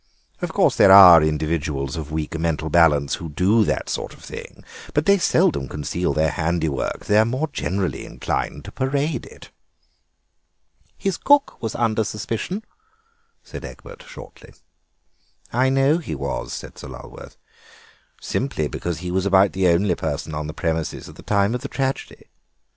Of course there are individuals of weak mental balance who do that sort of thing, but they seldom conceal their handiwork; they are more generally inclined to parade it." "His cook was under suspicion," said Egbert shortly. "I know he was," said Sir Lulworth, "simply because he was about the only person on the premises at the time of the tragedy.